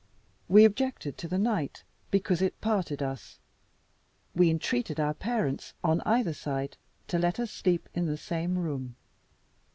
We objected to the night, because it parted us. We entreated our parents, on either side, to let us sleep in the same room.